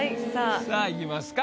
さあいきますか。